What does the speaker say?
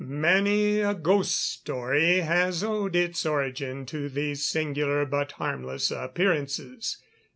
Many a "Ghost Story" has owed its origin to these singular but harmless appearances.